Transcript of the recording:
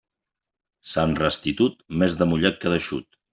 Sant Restitut, més de mullat que d'eixut.